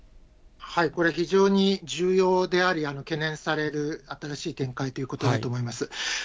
これ、非常に重要であり、懸念される新しい展開ということだと思います。